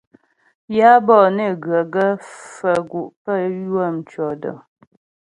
Yǎ bɔ'ɔ né ghə gaə́ faə̀ gu' pə́ ywə̂ mtʉɔ̂dəŋ.